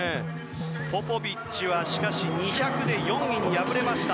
ポポビッチは２００ｍで４位と敗れました。